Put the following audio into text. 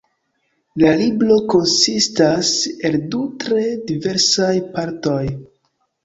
La libro konsistas el du tre diversaj partoj.